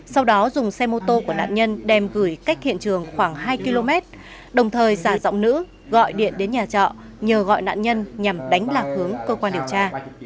sau đó dùng xe mô tô của nạn nhân đem gửi cách hiện trường khoảng hai km đồng thời giả giọng nữ gọi điện đến nhà trọ nhờ gọi nạn nhân nhằm đánh lạc hướng cơ quan điều tra